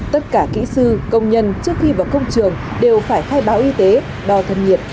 tất cả kỹ sư công nhân trước khi vào công trường đều phải khai báo y tế đo thân nhiệt